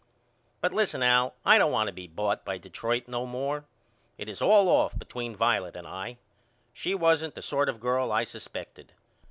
But listen Al I don't want to be bought by Detroit no more. It is all off between Violet and I. She wasn't the sort of girl I suspected.